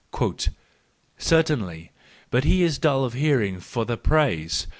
—" Certainly, but he is dull of hearing for the praise.